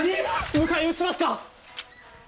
迎え撃ちますか？